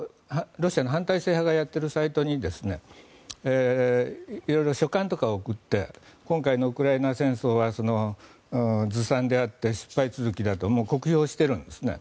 ロシアの反体制派がやっているサイトに色々、書簡とかを送って今回のウクライナ戦争はずさんであって失敗続きだと酷評しているんですね。